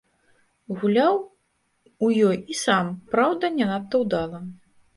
Гуляў у ёй і сам, праўда, не надта ўдала.